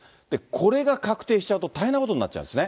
これが確定しちゃうと、大変なことになっちゃうんですね。